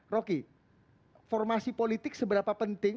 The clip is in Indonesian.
rocky formasi politik seberapa penting